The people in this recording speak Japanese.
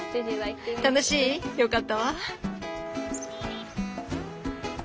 楽しい？よかったわ。